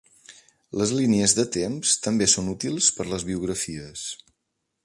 Les línies de temps també són útils per les biografies.